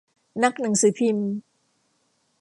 นักหนังสือพิมพ์